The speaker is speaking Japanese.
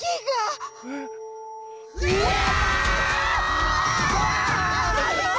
うわ！